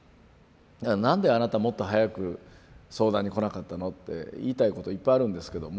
なんであなたもっと早く相談に来なかったのって言いたいこといっぱいあるんですけども。